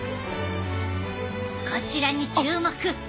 こちらに注目。